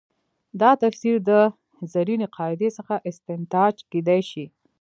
دا تفسیر د زرینې قاعدې څخه استنتاج کېدای شي.